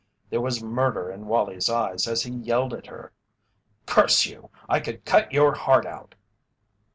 There was murder in Wallie's eyes as he yelled at her: "Curse you! I could cut your heart out!"